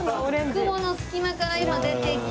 雲の隙間から今出てきて。